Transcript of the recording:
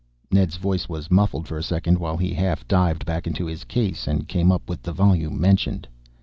Ned's voice was muffled for a second while he half dived back into his case and came up with the volume mentioned.